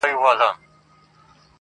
هڅه د بریا قوت زیاتوي.